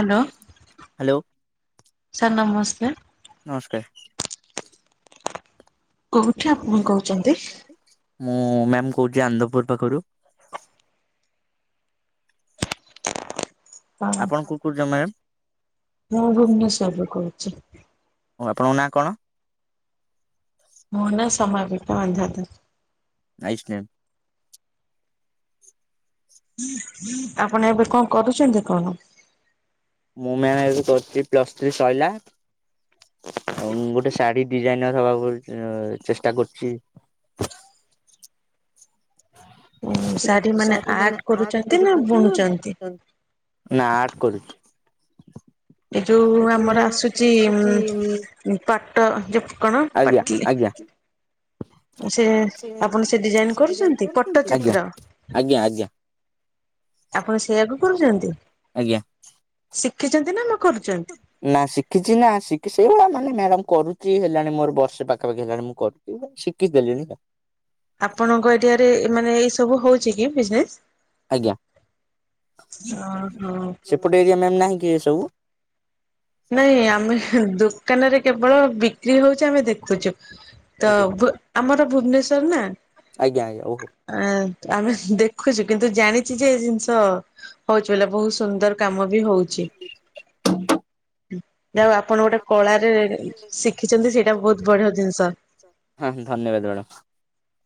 Hello. Hello. Sir ନମସ୍କାର। ନମସ୍କାର। କୋଉଠୁ ଆପଣ କହୁଛନ୍ତି? ମୁଁ ମ୍ୟାମ କହୁଛି ଆନନ୍ଦପୁର ପାଖରୁ ଆପଣ [unintelligible] ମ୍ୟାମ? ମୁଁ ଭୁବନେଶ୍ୱରରୁ କହୁଛି। ହଁ ଆପଣଙ୍କ ନାଁ କଣ? ମୋ ନାଁ ସମାପିକା [unintelligible] ନାଇସ ନେମ୍। ଆପଣ ଏବେ କଣ କରୁଛନ୍ତି କଣ? ମୁଁ ମ୍ୟା କରି ପ୍ଲସ ଥ୍ରୀ ସରିଲା ଆଉଁ ଗୋଟେ ଶାଢୀ ଡିଜାଇନ ହବାକୁ ଚେଷ୍ଟା କରୁଛି। ଶାଢୀ ମାନେ ଆର୍ଟ କରୁଛନ୍ତି ନା? ନା ଆଟ କରୁଛି। ଏ ଯୋଉ ଆମର ଆସୁଛି ଉ ପାଟ ଯେକଣ ପାଟିଲି ହଁ ସେ ଆପଣ ସେ ଡିଜାଇନ କରୁଛନ୍ତି ପଟ୍ଟଚିତ୍ର? ଆପଣ ସେଇଆକୁ କରୁଛନ୍ତି ଶିଖିଛନ୍ତି ନା ମ କରୁଛନ୍ତି? ନା ଶିଖିଛି ନା ଶିଖି ସେଇଭଳିଆ ମାନେ ମ୍ୟାଡ଼ାମ କରୁଛି ହେଲାଣି ମୋର ବର୍ଷେ ପାଖାପାଖି ହେଲାଣି ମୁଁ କରୁଛି। ଶିକି ଦେଲିଣି। ଆପଣଙ୍କ ଏଡିଆରେ ମାନେ ଏଇ ସବୁ ହଉଛି କି ବିଜନେସ୍? ହ ହୋ। ପଟ ଏରିଆ ମ୍ୟାମ୍ ନାହିଁ କି ଏ ସବୁ? ନାଇଁ ଆମେ ଦୋକାନରେ କେବଳ ବିକ୍ରି ହଉଛି ଆମେ ଦେଖୁଛୁ। ତ ଆମର ଭୁବନେଶ୍ଵର ନା ଆ ଆମେ ଦେଖୁଛୁ କିନ୍ତୁ ଜାଣିଛି ଯେ ଏ ଜିନିଷ ହଉଛି ବୋଇ ବହୁତ ସୁନ୍ଦର କାମ ବି ହଉଛି। ହ ଯାହା ହଉ ଆପଣ ଗୋଟେ କଳାରେ ଶିଖିଛନ୍ତି ସେଇଟା ବହୁତ ବଢିଆ ଜିନିଷ। ହଁ ଧନ୍ୟବାଦ ମ୍ୟାଡ଼ମ୍।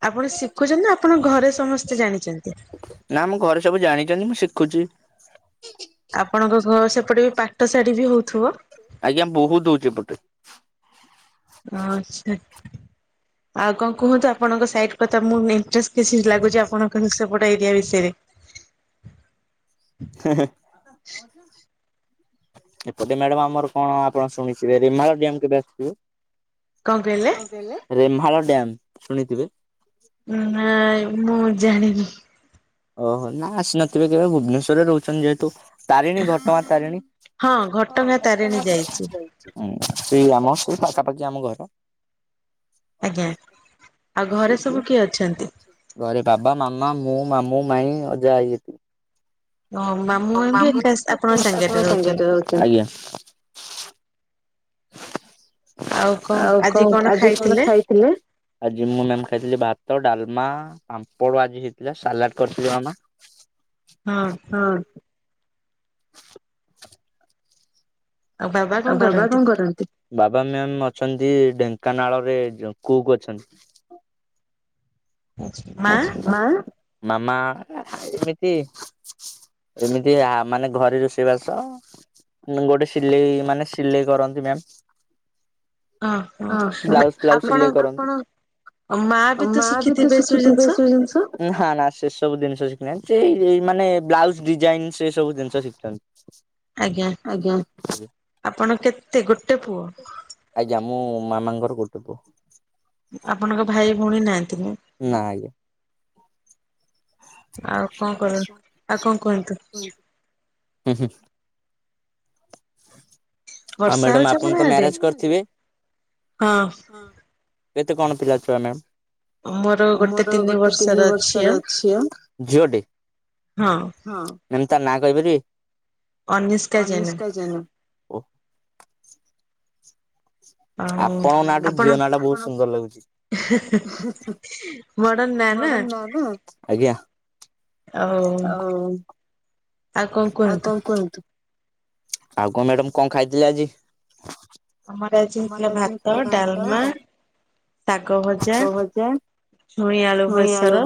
ଆପଣ ଶିଖୁଛନ୍ତି ନା ଆପଣ ଘରେ ସମସ୍ତେ ଜାଣିଛନ୍ତି? ନା ମୁଁ ଘରେ ସବୁ ଜାଣିଛନ୍ତି ମୁଁ ଶିଖୁଛି। ଆପଣଙ୍କ ଘ ସେପଟେ ବି ପାଟ ଶାଢ଼ୀ ବି ହୋଉଥିବ। ଆଜ୍ଞା ବୋହୁତ ହୋଉଚି ଏପଟେରେ। ଆଛା ଆଉ କଁ କୁହନ୍ତୁ ଆପଣଙ୍କ ସାଇଟ କଥା ମୁଁ ନିମଟେଶ୍ କିଛି ଲାଗୁଚି ଆପଣଙ୍କ ସେପଟ ଏରିଆ ବିଷୟରେ। ହେଁ ହେ। ଏପଟେ ମ୍ୟାଡାମ ଆମର କଁ ଆପଣ ଶୁଣିଥିବେ ରିମାଳ ଡିଆମ୍ କେବେ ଆସିବେ? କଁ କଇଲେ ରେମ୍ଭାଳ ଡ୍ୟାମ ଶୁଣିଥିବେ। ଉଁ ନାଇଁ ମୁଁ ଜାଣିନି। ଓହୋ ନା ଆସିନଥିବେ କେବେ ଭୁବନେଶ୍ୱରରେ ରହୁଚନ୍ତି ଯେହେତୁ। ତାରିଣୀ ଘଟଙ୍ଗା ତାରିଣୀ ହଁ ଘଟଙ୍ଗା ତାରେଣି ଯାଇ ଉଁ ସେ ଆମ ସବୁ ପାଖାପାଖି ଆମ ଘର। ଆଜ୍ଞା ଆ ଘରେ ସବୁ କିଏ ଅଛନ୍ତି? ଘରେ ବାବା ମାମା ମୁଁ ମାମୁଁ ମାଇଁ ଅଜା ଆଈ ହେତିକି। [unintelligible] ଆଜ୍ଞା। ଆଉ କଁ ଆଜି କଣ ଖାଇଥିଲେ? ଆଜି ମୁଁ ମାମ ଖାଇଥିଲି ଭାତ ଡାଲମା ପାମ୍ପଡ଼ ଆଜି ହେଇଥିଲା ସାଲାଡ କରିଥିଲି ମାମା। ହ ହଁ। ଆ ବାବା କଁ କରନ୍ତି ବାବା ମ୍ୟାମ ଅଛନ୍ତି ଢେଙ୍କାନାଳରେ ଜଉ କୁକ୍ ଅଛନ୍ତି। ମା ମାମା ଏମିତି ଏମିତି ଆ ମାନେ ଘରେ ରୋଷେଇବାସ ମୁଁ ଗୋଟେ ସିଲେଇ ମାନେ ସିଲେଇ କରନ୍ତି ମ୍ୟାମ୍। ବ୍ଲାଉଜ ଫ୍ଲାଉଜ ସିଲେଇ କରନ୍ତି। ଆ ମା ବି ତ ଶିଖିଥିବେ ସବୁ ଜିନିଷ ନା ନା ସେ ସବୁ ଜିନିଷ ଶିଖିନାହାନ୍ତି ସେ ମାନେ ବ୍ଲାଉଜ ଡିଜାଇନ ସେ ସବୁ ଦିନିଷ ଶିଖିଛନ୍ତି। ଆଜ୍ଞା। ଆପଣ କେତେ ଗୋଟେ ପୁଅ? ମୁଁ ମାମାଙ୍କର ଗୋଟେ ପୁଅ। ଆପଣଙ୍କ ଭାଇ ଓ ଭଉଣୀ ନାହାଁନ୍ତି। ନାଇ। ଆଉ କଣ କର ଆଉ କଣ କୁହନ୍ତୁ ହୁଁ ଉଁ ହୁଁ। ଆଉ ମ୍ୟାଡାମ ଆପଣ ତ ମ୍ୟାରେଜ କରିଥିବେ। କେତେ କଣ ପିଲା ଛୁଆ ମ୍ୟାମ? ଆମର ଗୋଟେ ତିନି ବର୍ଷର ଝିଅ ଝିଅଟେ ହଁ। ମ୍ୟାମ ତା ନାଁ କହିପାରିବେ? ଅନିଷ୍କା ଜେନା। ହୁଁ। ଆପଣଙ୍କ ନାଁଠୁ ଝିଅ ନା ଟା ବହୁତ ସୁନ୍ଦର ଲାଗୁଚି। ମଦନ ନାଦା ଆଜ୍ଞା। ଆଉ ଆଉ କଁ କୁହନ୍ତୁ? ଆଉ କଁ ମ୍ୟାଡ଼ାମ କଁ ଖାଇଥିଲେ ଆଜି? ଆମର ଆଜି ହେଇଥିଲା ଭାତ ଡାଲମା ଶାଗ ଭଜା ଛୁଇଁ ଆଳୁ ବେସର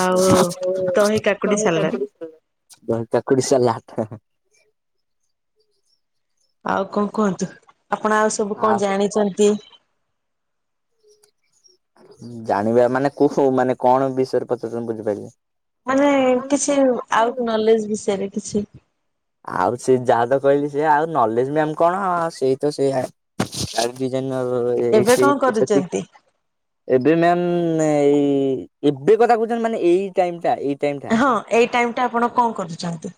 ଆଉ ଦହି କାକୁଡି ସାଲଟ। ଦହି କାକୁଡି ସଲାଟ ଆଉ କଣ କୁହନ୍ତୁ ଆପଣ ଆଉ ସବୁ କଣ ଜାଣିଛନ୍ତି? ଜାଣିବା ମାନେ କୁ ହଉ ମାନେ କଣ ବିଷୟରେ ପଚ ତମ ବୁଝିପାରିଲି। ମାନେ କିଛି ଆଉ ନଲେଜ ବିଷୟରେ କିଛି ଆଉ ସେ ଯାହା ତ କହିଲି ସେ ଆଉ ନଲେଜ ବି ଆମ କଣ ସେଇ ତ ସେଇଆ ଆ ବିଜ ସେଥି ଏବେ ମ୍ୟା ଏଇ ଏବେ କଥା କହୁଛ ମାନେ ଏଇ ଟାଇମ ଟା ଏଇ ଟାଇମ ଟା ହଁ ଏଇ ଟାଇମ ଟା ଆପଣ କଣ କରୁଛନ୍ତି।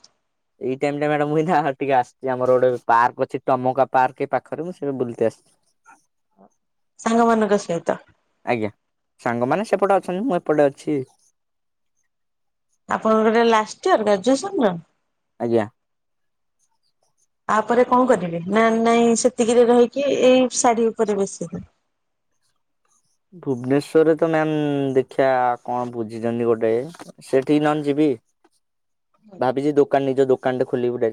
ଏଇ ଟାଇମ ଟା ମ୍ୟାଡା ମୁ ଟିକେ ଆସିଛି ଆମର ଗୋଟେ ପାର୍କ ଅଛି ଟମକା ପାର୍କ ଏଇ ପାଖରେ ମୁଁ ସେବେ ବୁଲିତେ ଆସ ସଙ୍ଗମାନଙ୍କ ସହିତ ଆଜ୍ଞା ସାଙ୍ଗମାନେ ସେପଟେ ଅଛନ୍ତି ମୁଁ ଏପଟେ ଅଛି। ଆପଣଙ୍କର ଲାଷ୍ଟ ଇୟର ଗ୍ରାଜୁଏସନ ର? ଆଜ୍ଞା। ଆ ପରେ କଣ କରିବି ନା ନାଇଁ ସେତିକିରେ ରହିକି ଏଇ ଶାଢୀ ଉପରେ ବେଶି ଦି ଭୁବନେଶ୍ଵରରେ ତ ମ୍ୟାମ ଦେଖିବା କଣ ବୁଝିଛନ୍ତି ଗୋଟେ ସେଠିକ ନହଲେ ଯିବି ଭାବିଛି ଦୋକାନ ନିଜ ଦୋକାନ ଟେ ଖୋଲିବୁ।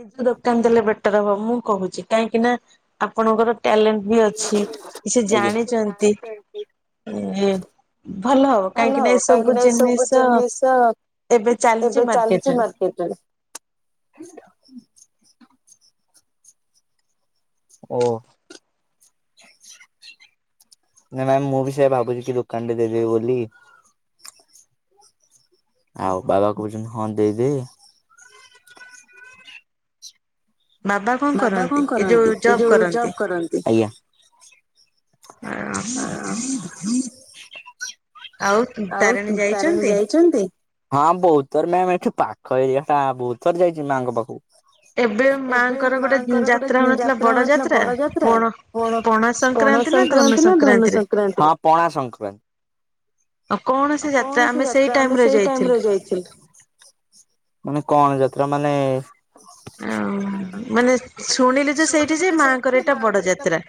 ନିଜ ଦୋକାନ ଦେଲେ ବେଟର ହବ ମୁଁ କହୁଛି କାହିଁକି ନା ଆପଣଙ୍କର ଟ୍ୟାଲେଣ୍ଟ ବି ଅଛି କି ସେ ଜାଣିଛନ୍ତି। ଭଲ ହବ କାହିଁକି ନା ଏ ସବୁ ଜିନିଷ ଏବେ ଚାଲିଛି ମାର୍କେଟରେ [unintelligible] ହୁଁ ଓ ନ ମ୍ୟାମ ମୁଁ ବି ସେ ଭାବୁଛି କି ଦୋକାନ ଟରେ ଦେଇଦେବି ବୋଲି। ଆଉ ବାବା କ ବହୁଛନ୍ତି ହଁ ଦେଇଦେ। ବାବା କଣ କରନ୍ତି ଏ ଯୋଉ ଜବ କରନ୍ତି। ଆ ଆଉ ତାରିଣୀ ଯାଇଛନ୍ତି। ହଁ ବହୁତ ଥର ମ୍ୟାମ ଏଠି ପାଖ ଏରିଆ ଟା ବହୁତ ଥର ଯାଇଛି ମାଆଙ୍କ ପାଖକୁ। ଏବେ ମା ତାଙ୍କର ଗୋଟେ ଯାତ୍ରା ହଉନଥିଲା ବଡ ଯାତ୍ରା ପଣା ପଣା ସଂକ୍ରାନ୍ତି ନା ଧନୁ ସଂକ୍ରାନ୍ତିରେ ହଁ ପଣା ସଂକ୍ରାନ୍ତି। ଆ କଣ ସେଇ ଯାତ୍ରା ଆମେ ସେଇ ଟାଇମ୍ ରେ ଯାଇଥିଲ। ମାନେ କଣ ଯାତ୍ରା ମାନେ ଆଉ ମାନେ ଶୁଣିଲି ଯେ ସେଇଠି ଯେ ମାଙ୍କର ଏଇଟା ବଡ ଯାତ୍ରା।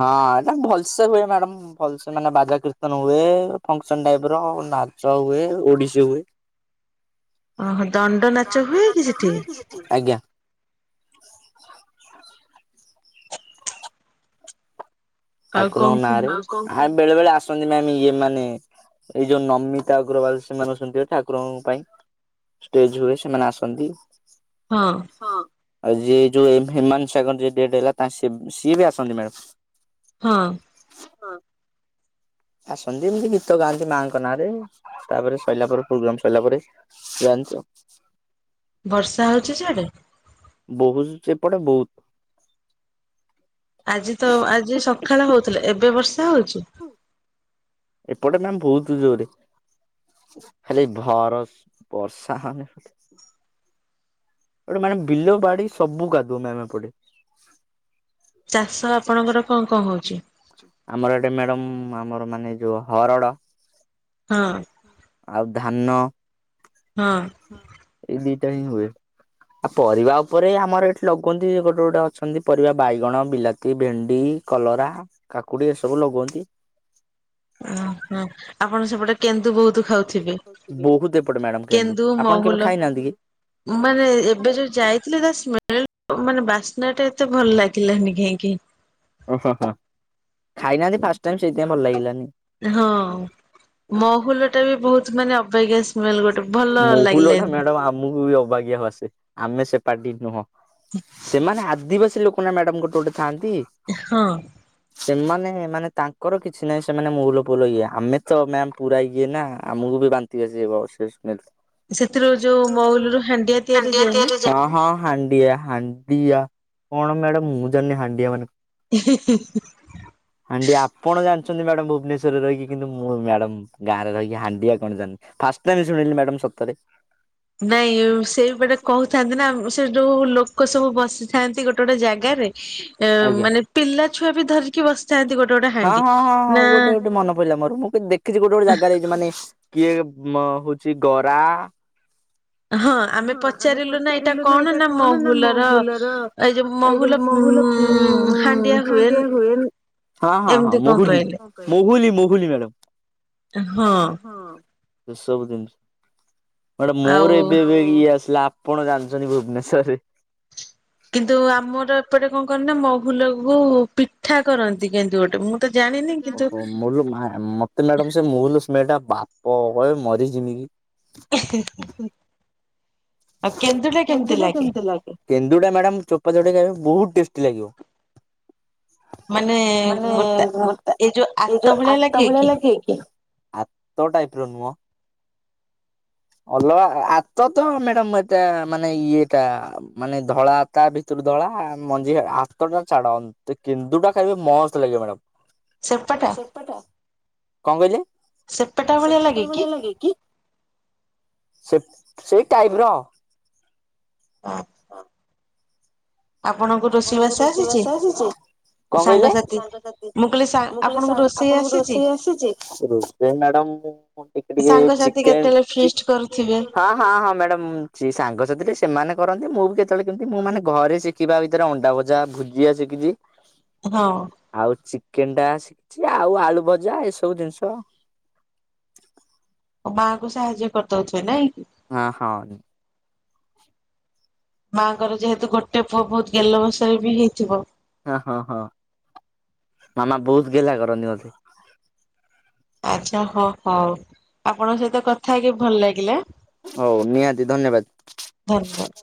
ହଁ ଏଇଟା ଭଲସେ ହୁଏ ମ୍ୟାଡ଼ାମ ଭଲ ସେ ମାନେ ବାଜା କୀର୍ତ୍ତନ ହୁଏ ଫଙ୍କସନ୍ ଟାଇପ ର ନାଚ ହୁଏ ଓଡିଶୀ ହୁଏ। ଓହୋ ଦଣ୍ଡ ନାଚ ହୁଏ କି ସେଠି? ଆଜ୍ଞା। ଠାକୁରଙ୍କ ନାଁ ରେ ଆ ବେଳେ ବେଳେ ଆସନ୍ତି ମ୍ୟାମ୍ ଇଏ ମାନେ ଏଇ ଯୋଉ ନମିତା ଅଗ୍ରୱାଲ୍ ସେମାନେ ଅଛନ୍ତି ପା ଠାକୁରଙ୍କ ପାଇଁ। ଷ୍ଟେଜ୍ ହୁଏ ସେମାନେ ଆସନ୍ତି। ହଁ। ହଁ ଆଉ ଯିଏ ଯୋଉ ହ୍ୟୁମାନ ସାଗର୍ ଯିଏ ଡେଟ୍ ହେଲା ସି ସିଏ ବି ଆସନ୍ତି ମ୍ୟାଡ଼ାମ୍। ହଁ। ହଁ। ଆସନ୍ତି ଏମିତି ଗୀତ ଗାଆନ୍ତି ମାଙ୍କ ନାଁରେ ତାପରେ ସରିଲା ପରେ ପ୍ରୋଗ୍ରାମ୍ ସରିଲା ପରେ। ସିଏ ଆଣିଛ। ବର୍ଷା ହଉଛି ସିଆଡେ? ବହୁତ୍ ସେପଟେ ବହୁତ୍। ଆଜି ତ ଆଜି ସକାଳେ ହଉଥିଲେ ଏବେ ବର୍ଷା ହଉଛି? ଏପଟେ ମ୍ୟାମ୍ ବହୁତ୍ ଜୋରେ। ଖାଲି ଭରସ୍ ବର୍ଷା ମାନେ। ଗୋଟେ ମ୍ୟାଡ଼ାମ୍ ବିଲ ବାଡି ସବୁ କାଦୁଅ ମ୍ୟାମ୍ ଏପଟେ। ଚାଷ ଆପଣଙ୍କର କଣ କଣ ହଉଛି? ଆମର ଇଆଡେ ମ୍ୟାଡମ୍ ଆମର ମାନେ ଯୋଉ ହରଡ। ହଁ। ଆଉ ଧାନ ଏଇ ଦିଟା ହିଁ ହୁଏ। ଆଉ ପରିବା ଉପରେ ଆମର ଏଠି ଲଗୁଅନ୍ତି ଗୋଟେ ଗୋଟେ ଅଛନ୍ତି ପରିବା ବାଇଗଣ, ବିଲାତି, ଭେଣ୍ଡି। କଲରା, କାକୁଡି ଏ ସବୁ ଲଗୁଅନ୍ତି। ଓ ହୋ ଆପଣ ସେପଟେ। କେନ୍ଦୁ ବହୁତ୍ ଖାଉଥିବେ କେନ୍ଦୁ, ମହୁଲ। ମାନେ ଏବେ ଯୋଉ ଯାଇଥିଲେ ତା ସ୍ମେଲ୍ ମାନେ ବାସ୍ନା ଟା ଏତେ ଭଲ ଲାଗିଲାନି କାହିଁକି। ଓହୋ ହୋ ଖାଇନାହାନ୍ତି ଫାଷ୍ଟ୍ ଟାଇମ୍ ସେଇଥିପାଇଁ ଭଲ ଲାଗିଲାନି। ହଁ ମହୁଲ ଟା ବି ବହୁତ୍ ମାନେ ଅବାଗିଆ। ମହୁଲଟା ମ୍ୟାଡ଼ାମ୍ ଆମକୁ ବି ଅବାଗିଆ ବାସେ ଆମେ ସେ ପାଟି ନୁହଁ। ସେମାନେ ଆଦିବାସୀ ଲୋକ ନା ମ୍ୟାଡାମ୍ ଗୋଟେ ଗୋଟେ ଥାଆନ୍ତି। ହଁ। ସେମାନେ ମାନେ ତାଙ୍କର କିଛି ନାହିଁ ସେମାନେ ମହୁଲ ଫଉଲ ଇଏ ଆମେ ତ ମ୍ୟାାମ୍ ପୁରା ଇଏ ନା ଆମକୁ ବି ବା। ନ୍ତି ଆସିବ ସେଇ ସ୍ମେଲ୍ ସେଥିରେ ଯଉ ହାଣ୍ଡିଆ ତିଆରି ହଁ ହଁ। ହାଣ୍ଡିଆ ହାଣ୍ଡିଆ କଣ ମ୍ୟାଡ଼ାମ୍ ମୁଁ ଜାନି ହାଣ୍ଡିଆ ମାନେ। ହାଣ୍ଡିଆ ଆପଣ ଜାଣିଛନ୍ତି ମ୍ୟାଡ଼ାମ୍ ଭୁବନେଶ୍ୱରରେ ରହିକି କିନ୍ତୁ ମୁଁ ମ୍ୟାଡାମ୍। ଗାଁରେ ରହିକି ହାଣ୍ଡିଆ କଣ ଜାଣିନି ଫାଷ୍ଟ୍ ଟାଇମ୍ ଶୁଣିଲି ମ୍ୟାଡ଼ାମ୍ ସତରେ। ନାଇଁ ସେଇପଟେ କହୁଥାନ୍ତି ନା ସେ ଯୋଉ ଲୋକ ସବୁ ବସିଥାନ୍ତି ଗୋଟେ ଗୋଟେ ଜାଗାରେ। ଏ ମାନେ ପିଲା ଛୁଆ ବି ଧରିକି ବସିଥାନ୍ତି ଗୋଟେ ଗୋଟେ। ହଁ ହଁ ହଁ ହଁ ଗୋଟେ ଗୋଟେ ମନେ ପଇଲା ମୋର ମୁଁ ଦେଖିଛି ଗୋଟେ ଗୋଟେ ଜାଗାରେ ଏଇ ଯୋଉ ମାନେ। କିଏ ମ ହଉଛି ଗରା। ହଁ ଆମେ ପଚାରିଲୁ ନା ଏଇଟା କଣ ନା ମହୁଲ ର। ଏ ଯଉ ମହୁଲ ହାଣ୍ଡିଆ ହୁଏ ହ ହ ହ ମହୁଲି। ମହୁଲି ମହୁଲି ମ୍ୟାଡ଼ାମ୍ ହଁ। ଏ ସବୁ ଜିନିଷ [unintelligible] ମ୍ୟାଡାମ୍ ମୋର ଏ। ଇଏ ଆସିଲା ଆପଣ ଜାଣିଛନ୍ତି ଭୁବନେଶ୍ୱରରେ। କିନ୍ତୁ ଆମର ଏପଟେ କଣ କରନ୍ତି ନା ମହୁଲକୁ ପିଠା କରନ୍ତି କେନ୍ତି ଗୋଟେ ମୁଁ। ମୁ ମତେ ମ୍ୟାଡ ସେ [unintelligible] ବାପ ମରିଯିମି କିି? [inaudible] ଆଉ କେନ୍ଦୁ ଟା କେମିତି ଲାଗେ? କେନ୍ଦୁ ଟା ମ୍ୟାଡାମ୍ ଚୋପା ଛଡେଇ ଖାଇବ ବହୁତ ଟେଷ୍ଟି ଲାଗିବ। ମାନେ [inaudible] ଏ ଯୋଉ ଆତ ଭଳିଆ ଲାଗେ କି? ଆ ତ ଟାଇପ ର ନୁହଁ? ଅଲ ଆତ ତ ମ୍ୟାଡାାମ ଏଟା ମାନେ ଇଏଟା ମାନେ ଧଳା ତା ଭିତରେ ଧଳା ମଞ୍ଜି ଖାଇ ଆତ ଛାଡନ କେନ୍ଦୁ ଟା ଖାଇବେ ମସ୍ତ ଲାଗିବ ମ୍ୟାଡ଼ମ। ସେପାଟା କଣ କହିଲେ ସେପାଟା ଭଳିଆ ଲାଗେ କି? ସେ ସେଇ ଟାଇପ ର। [unintelligible] ଆପଣଙ୍କୁ ରୋଷେଇବାସ ଆସିଛି? କଣ କହିଲେ? ମୁଁ କହିଲି ସାର ଆପଣଙ୍କୁ ରୋଷେଇ ଆସୁଛି? ରୋଷେଇ ମ୍ୟାଡ଼ାମ ହଁ ଟିକେ ଟିକେ ଚିକେନ ଚିକ ହଁ ହଁ ହଁ ମ୍ୟାଡ଼ାମ। ସେଈ ସାଙ୍ଗସାଥିରେ ସେମାନେ କରନ୍ତି ମୁଁ ବି କେତେବେଳେ କେମିତି ମୁଁ ମାନେ ଘରେ ଶି ଥିବଭିତରେ ଅଣ୍ଡା ଭଜା ଭୁଜିଆ ସିକିିଛି। ହଁ। ଆଉ ଚିକେନ ଟା ଶିଖିଛି ଆଉ ଆଳୁ ଭଜା ଏସବୁ ଜିନିଷ। ମା କୁ ସାହାଯ୍ୟ କରିଦଉଚ ନାଇଁ? ଆଁ ହଁ। ମାଆଙ୍କର ଯେହେତୁ ଗୋଟେ ପୁଅ ବହୁତ ଗେଲ ବର୍ଷରେ ବି ହେଇଥିବ। ହଁ ହଁ ହଁ ମାମା ବହୁତ ଗେଲା କରନ୍ତି ମୋତେ। ଆଚ୍ଛା ହଁ ହଉ ଆପଣଙ୍କ ସହିତ କଥା ହେଇକି ଭଲ ଲାଗିଲା। ହଉ ନିହାତି ଧନ୍ୟବାଦ। [unintelligible]